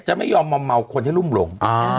จะไม่ยอมมอมเมาคนให้รุ่มหลง